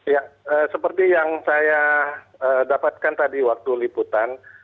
ya seperti yang saya dapatkan tadi waktu liputan